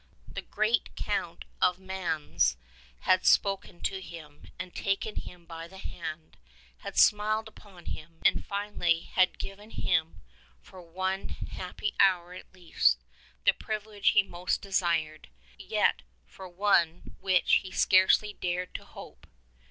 The great Count of Mans had spoken to him, and taken him by the hand, had smiled upon him, and finally had given him, for one happy hour at least, the privilege he most desired, yet one for which he scarcely dared to hope.